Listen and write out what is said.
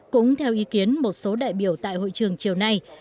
cũng theo ý kiến một số đại biểu tại hội trường chiều nay